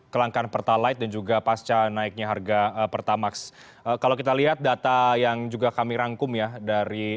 kelangkaan pertalaid dan juga pasca naiknya harga neu pertamax kalau kita lihat data yang program beragam besar kita bisa lihat hal ini cukup